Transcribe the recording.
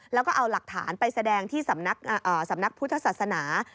แล้วก็เอาหลักฐานไปแสดงที่สำนักพุทธศาสนา